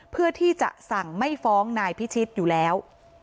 เพื่อที่จะสั่งไม่ฟ้องนายพิชิตอยู่แล้ว